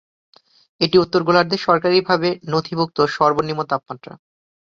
এটি উত্তর গোলার্ধে সরকারীভাবে নথিভুক্ত সর্বনিম্ন তাপমাত্রা।